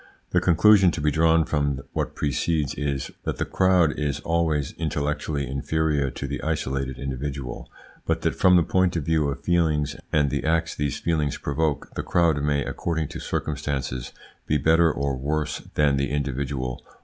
The conclusion to be drawn from what precedes is, that the crowd is always intellectually inferior to the isolated individual, but that, from the point of view of feelings and of the acts these feelings provoke, the crowd may, according to circumstances, he better or worse than the individual.